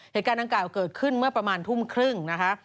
เหตุการณ์ดังกล่าวเกิดขึ้นเมื่อประมาณทุ่มครึ่งนะคะ